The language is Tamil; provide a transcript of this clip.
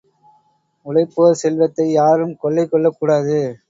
உழைப்போர் செல்வத்தை, யாரும் கொள்ளை கொள்ளக் கூடாது.